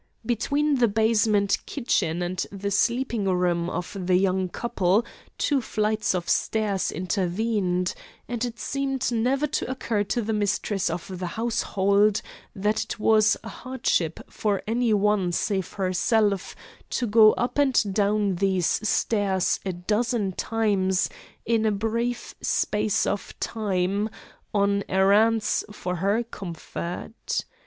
Between the basement kitchen and the sleeping room of the young couple, two flights of stairs intervened, and it seemed never to occur to the mistress of the household that it was a hardship for any one save herself to go up and down these stairs a dozen times in a brief space of time on errands for her comfort.